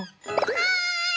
はい！